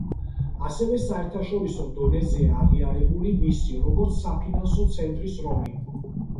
ასევე საერთაშორისო დონეზეა აღიარებული მისი, როგორც საფინანსო ცენტრის როლი.